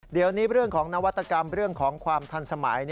เดี๋ยวนี้เรื่องของนวัตกรรมเรื่องของความทันสมัย